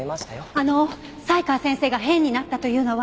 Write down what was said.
あの才川先生が変になったというのは？